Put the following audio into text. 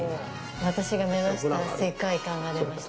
私が目指した世界観が出ました。